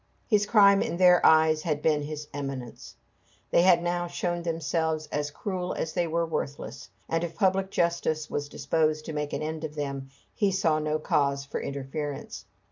His crime in their eyes had been his eminence. They had now shown themselves as cruel as they were worthless; and if public justice was disposed to make an end of them, he saw no cause for interference.